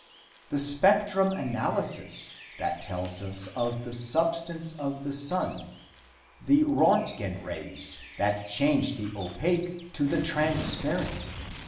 The Spectrum Analysis that tells us of the substance of the sun; the Röntgen rays that change the opaque to the transparent.